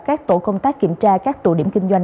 các tổ công tác kiểm tra các tụ điểm kinh doanh